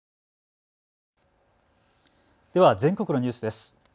では全国のニュースです。